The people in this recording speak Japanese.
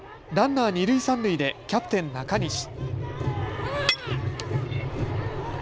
ランナー二塁、三塁でキャプテン、中西。